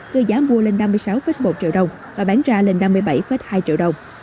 đưa giá mua lên năm mươi sáu một triệu đồng và bán ra lên năm mươi bảy hai triệu đồng